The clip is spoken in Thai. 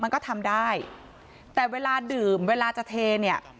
มันก็ทำได้แต่เวลาดื่มเวลาจะเทเนี่ย